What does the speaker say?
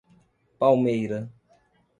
Palmeira